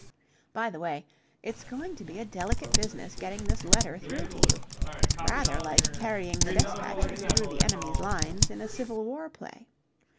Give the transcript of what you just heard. By the way, it's going to be a delicate business getting this letter through to you rather like carrying the despatches through the enemy's lines in a Civil War play.